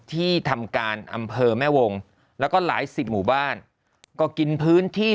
ที่ทำการอำเภอแม่วงแล้วก็หลายสิบหมู่บ้านก็กินพื้นที่